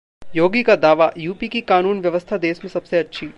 योगी का दावा- यूपी की कानून-व्यवस्था देश में सबसे अच्छी